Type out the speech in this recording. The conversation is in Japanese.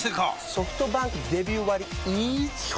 ソフトバンクデビュー割イズ基本